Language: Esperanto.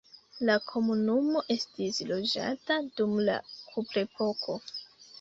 La komunumo estis loĝata dum la kuprepoko.